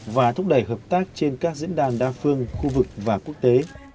và thúc đẩy hợp tác trên các diễn đàn đa phương khu vực và quốc tế